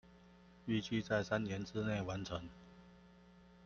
預計在三年之內完成